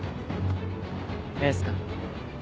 エース君。